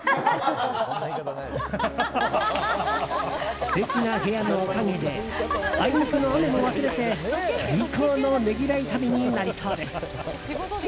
素敵な部屋のおかげであいにくの雨も忘れて最高のねぎらい旅になりそうです。